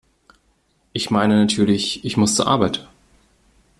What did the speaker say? Ich meine natürlich, ich muss zur Arbeit!